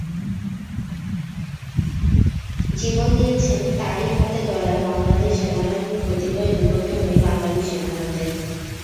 জীবন দিয়েছেন তাঁরই হাতে গড়া বাংলাদেশ সেনাবাহিনীর কতিপয় বিপথগামী বাঙালি সেনার হাতে।